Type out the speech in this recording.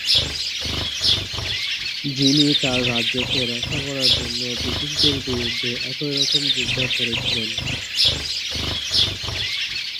যিনি তার রাজ্যকে রক্ষা করার জন্য ব্রিটিশদের বিরুদ্ধে একই রকম যুদ্ধ করেছিলেন।